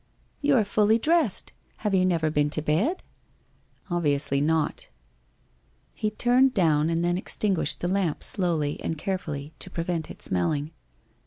* You are fully dressed ! Have you never been to bed ?'' Obviously not.' He turned down and then extinguished the lamp slowly and carefully to prevent it smelling.